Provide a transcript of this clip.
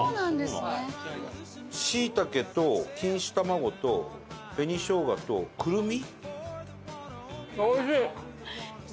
しいたけと錦糸卵と紅しょうがとクルミ。